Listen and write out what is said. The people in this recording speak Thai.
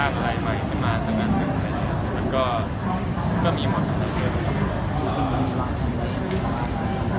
และมันก็มีหมดผลของเดือนตากลุ่ม